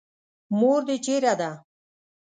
مور دې چېرې ده.